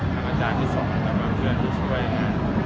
คนของชั้นอยากไปมาเสียง